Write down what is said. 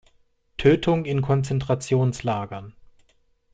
Tötung in Konzentrationslagern.